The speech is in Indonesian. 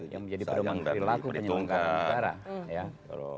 yang menjadi penyelenggara negara